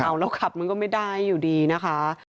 เอาแล้วขับมันก็ไม่ได้อยู่ดีนะคะ